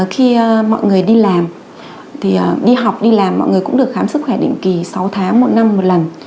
khi mọi người đi làm thì đi học đi làm mọi người cũng được khám sức khỏe định kỳ sáu tháng một năm một lần